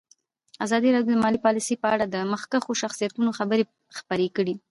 ازادي راډیو د مالي پالیسي په اړه د مخکښو شخصیتونو خبرې خپرې کړي.